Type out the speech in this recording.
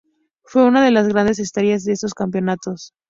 Fue una de las grandes estrellas de estos campeonatos.